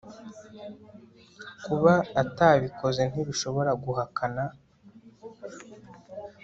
Kuba atabikoze ntibishobora guhakana